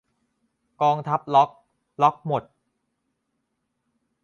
กองทัพล็อค ล็อคหมด